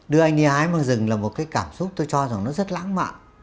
đưa anh đi hái mang rừng là một cái cảm xúc tôi cho rằng nó rất lãng mạn